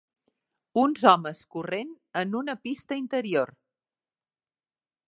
Uns homes corrent en una pista interior.